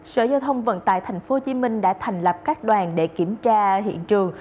sở giao thông vận tải thành phố hồ chí minh đã thành lập các đoàn để kiểm tra hiện trường